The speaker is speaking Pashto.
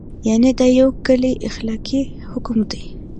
یعنې دا یو کلی اخلاقي حکم دی.